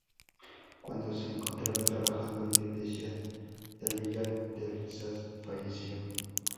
Cuando se encontraba trabajando en la iglesia del Villar del Saz, falleció.